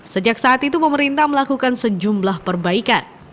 sejak saat itu pemerintah melakukan sejumlah perbaikan